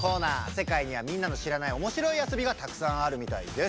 世界にはみんなの知らないおもしろい遊びがたくさんあるみたいです。